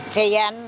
thì tình hình